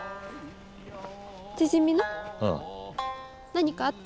何かあった？